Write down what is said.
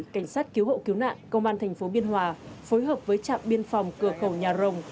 cảnh sát cứu hộ cứu nạn công an tp biên hòa phối hợp với trạm biên phòng cửa khẩu nhà rồng